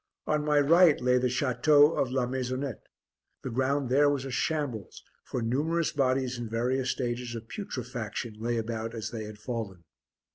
On my right lay the Château of La Maisonnette. The ground there was a shambles, for numerous bodies in various stages of putrefaction lay about as they had fallen.